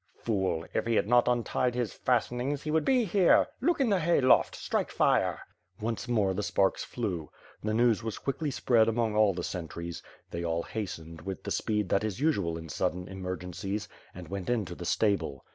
"Fool! If he had not untied his fastenings he would be here. Look in the hay loft! Strike fire!" Once more the sparks flew. The news was quickly spread among all the sentries. They all hastened, with the speed that is usual in sudden emergencies, and went into the stable.